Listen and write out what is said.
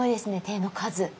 手の数。